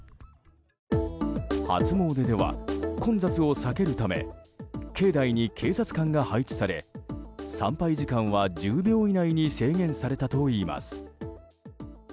初詣では混雑を避けるため境内に警察官が配置され参拝時間は１０秒以内に制限されたといいます。